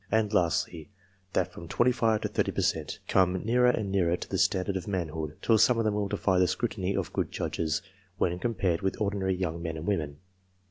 And, lastly, that from twenty five to thirty per cent, come nearer and nearer to the standard of manhood, till some of them will defy the scrutiny of good judges, when com pared with ordinary young men and women.